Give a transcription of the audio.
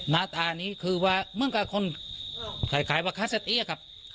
หน้าตานี้คือว่าเหมือนกับคนคล้ายคล้ายว่าครับ